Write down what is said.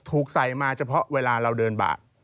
ถูกใส่มาเฉพาะเวลาเราเดินบาด